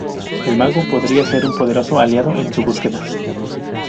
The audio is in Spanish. El Mago podría ser un poderoso aliado en su búsqueda.